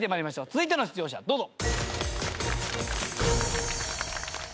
続いての出場者どうぞ。